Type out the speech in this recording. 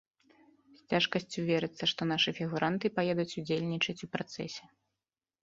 З цяжкасцю верыцца, што нашы фігуранты паедуць удзельнічаць у працэсе.